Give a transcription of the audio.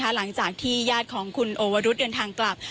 หลังจากที่ญาติของคุณโอวรุธเดินทางกลับ